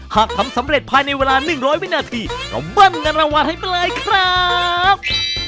หากทำสำเร็จภายในเวลา๑๐๐วินาทีก็เบิ้ลเงินรางวัลให้ไปเลยครับ